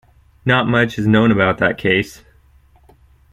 Not much is known about that case.